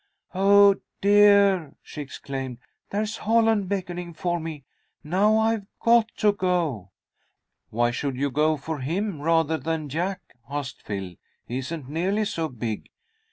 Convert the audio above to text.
"Oh, dear!" she exclaimed. "There's Holland beckoning for me. Now I've got to go." "Why should you go for him rather than Jack?" asked Phil. "He isn't nearly so big."